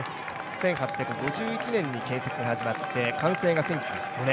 １８５１年に建設が始まって完成が１９０５年。